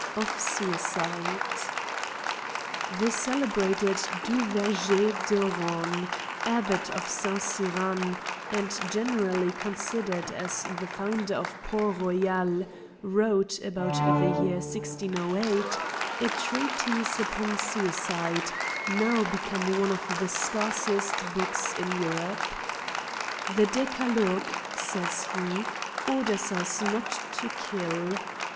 Of Suicide, THE celebrated Du Verger de Haurane^ Abbot of St. Cyran, and generally considered as the foun der of Port Royal, wrote, about the year 1608, a treatise upon Suicide, now become one of the scarcest books in Europe. '^ The decalogue, says he, orders us not to kill.